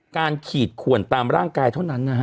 ขีดขวนตามร่างกายเท่านั้นนะฮะ